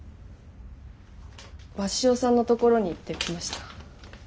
鷲尾さんのところに行ってきました。